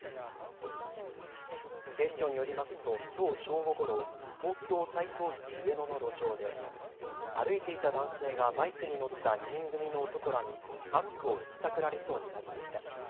警視庁によりますときょう正午ごろ、東京台東区上野の路上で歩いていた男性がバイクに乗った２人組の男らにバッグをひったくられそうになりました。